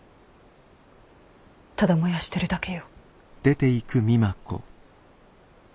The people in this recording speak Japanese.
ただ燃やしてるだけよ。